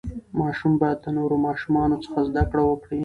ماشوم باید د نورو ماشومانو څخه زده کړه وکړي.